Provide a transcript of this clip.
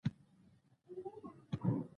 د دې ټولو یو خزان او یو بهار و.